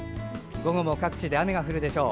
午後も各地で雨が降るでしょう。